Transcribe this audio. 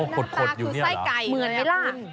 อ๋อขดอยู่เนี่ยเหรอเหมือนมั้ยล่ะคุณหน้าตาคือไส้ไก่